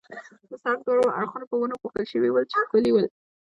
د سړک دواړه اړخونه په ونو پوښل شوي ول، چې ښکلي ول.